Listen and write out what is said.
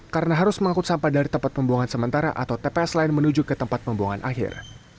karena harus mengangkut sampah dari tempat pembuangan sementara atau tps lain menuju ke tempat pembuangan akhir